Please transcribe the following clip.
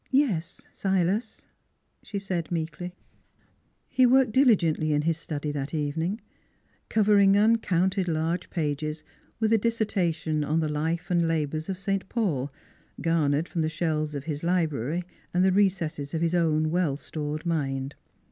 ' Yes, Silas," she said meekly. He worked diligently in his study that evening, covering uncounted large pages with a dissertation on the life and labors of Saint Paul, garnered from the shelves of his library and the recesses of his own well stored mind.